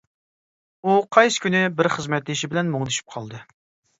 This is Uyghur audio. ئۇ قايسى كۈنى بىر خىزمەتدىشى بىلەن مۇڭدىشىپ قالدى.